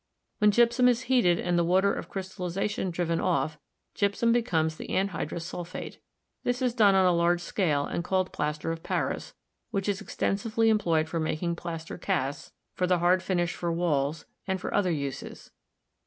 When gypsum is heated and the water of crystallization driven off, Gypsum becomes the anhy drous sulphate. This is done on a large scale and called plaster of paris, which is extensively employed for making plaster casts, for the hard finish for walls, and for other uses.